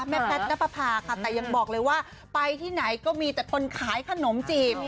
แพทย์นับประพาค่ะแต่ยังบอกเลยว่าไปที่ไหนก็มีแต่คนขายขนมจีบ